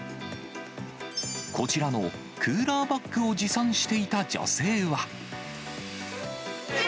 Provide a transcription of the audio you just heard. こちらのクーラーバッグを持参していた女性は。